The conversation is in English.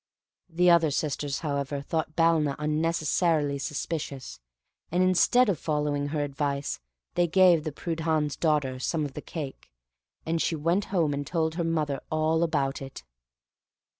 The other sisters, however, thought Balna unnecessarily suspicious, and instead of following her advice, they gave the Prudhan's daughter some of the cake, and she went home and told her mother all about it.